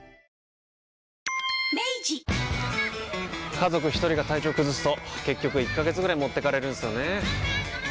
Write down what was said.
家族一人が体調崩すと結局１ヶ月ぐらい持ってかれるんすよねー。